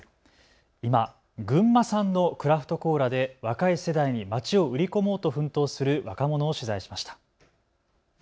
今、群馬産のクラフトコーラで若い世代にまちを売り込もうと奮闘する若者を取材しました。